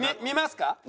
見ますか？